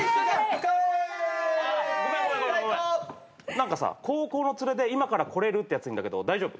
何かさ高校のツレで今から来れるってやついんだけど大丈夫？